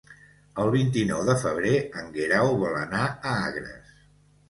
El vint-i-nou de febrer en Guerau vol anar a Agres.